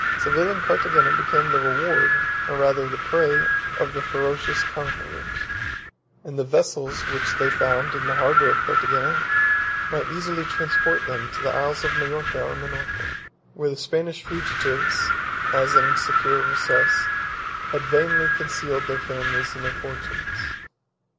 12 Seville and Carthagena became the reward, or rather the prey, of the ferocious conquerors; and the vessels which they found in the harbor of Carthagena might easily transport them to the Isles of Majorca and Minorca, where the Spanish fugitives, as in a secure recess, had vainly concealed their families and their fortunes.